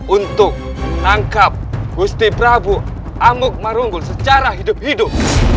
untuk menangkap gusti prabu amuk marunggun secara hidup hidup